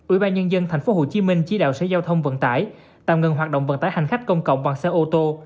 ủy ban nhân dân thành phố hồ chí minh chỉ đạo xe giao thông vận tải tạm ngừng hoạt động vận tải hành khách công cộng bằng xe ô tô